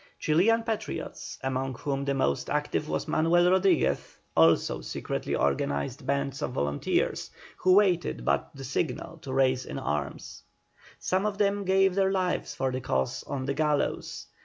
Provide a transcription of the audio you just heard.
Chilian patriots, among whom the most active was Manuel Rodriguez, also secretly organised bands of volunteers, who waited but the signal to rise in arms. Some of them gave their lives for the cause on the gallows.